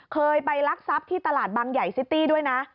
เคยไปรักทรัพย์ที่ตลาดบางใหญ่ซิตี้ด้วยนะ